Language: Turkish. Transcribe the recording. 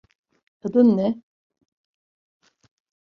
Adin ne?